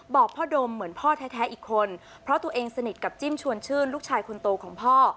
บอกพ่อดมเหมือนพ่อแท้อีกคนเพราะตัวเองสนิทกับจิ้มชวนชื่นลูกชายคนโตของพ่อ